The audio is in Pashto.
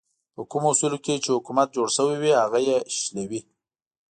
په کومو اصولو چې حکومت جوړ شوی وي هغه یې شلوي.